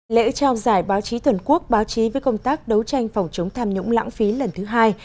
lễ trao giải báo chí tuần quốc báo chí với công tác đấu tranh phòng chống tham nhũng lãng phí lần thứ hai